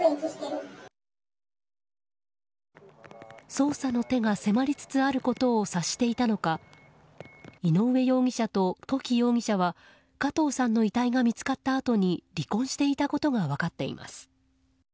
捜査の手が迫りつつあることを察していたのか井上容疑者と土岐容疑者は加藤さんの遺体が見つかったあとに離婚していたことが分かっています。